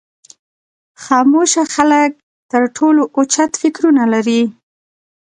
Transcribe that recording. خاموشه خلک تر ټولو اوچت فکرونه لري.